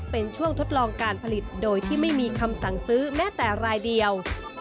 เป็นช่วงทดลองการผลิตโดยที่ไม่มีคำสั่งซื้อแม้แต่รายเดียว